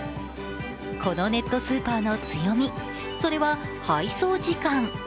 このネットスーパーの強み、それは配送時間。